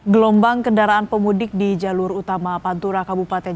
gelombang kendaraan pemudik di jalur utama pantura kabupaten